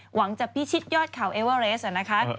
หวังจะพิชิตยอดเขาเอเวอร์เรสนะคะ